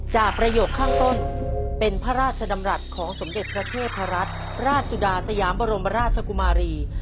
ประโยคข้างต้นเป็นพระราชดำรัฐของสมเด็จพระเทพรัตน์ราชสุดาสยามบรมราชกุมารี